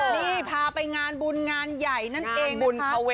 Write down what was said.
นี่พาไปงานบุญงานใหญ่นั่นเองนะคะ